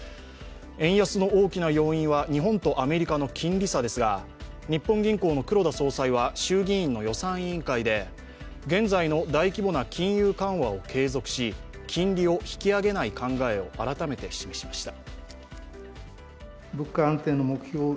円安の大きな要因は日本とアメリカの金利差ですが、日本銀行の黒田総裁は衆議院の予算委員会で、現在の大規模な金融緩和を継続し金利を引き上げない考えを改めて示しました。